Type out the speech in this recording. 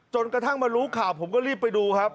กระทั่งมารู้ข่าวผมก็รีบไปดูครับ